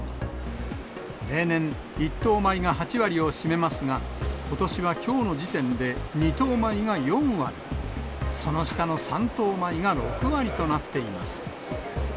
例年、１等米が８割を占めますが、ことしはきょうの時点で２等米が４割、その下の３等米が６割となっています。